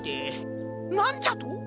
なんじゃと！？